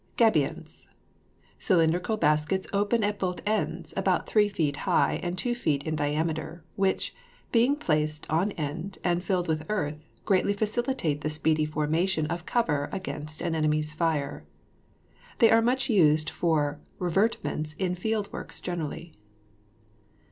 GABIONS. Cylindrical baskets open at both ends, about 3 feet high and 2 feet in diameter, which, being placed on end and filled with earth, greatly facilitate the speedy formation of cover against an enemy's fire. They are much used for revetments in field works generally.